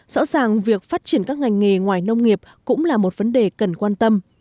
rõ ràng việc phát triển các ngành nghề ngoài nông nghiệp cũng là một vấn đề cần quan tâm